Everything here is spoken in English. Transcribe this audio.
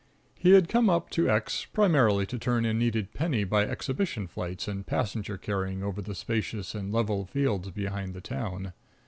He had come up to X primarily to turn a needed penny by exhibition flights and passenger carrying over the spacious and level fields behind the town.